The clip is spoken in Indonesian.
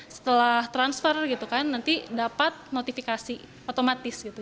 setelah transfer gitu kan nanti dapat notifikasi otomatis gitu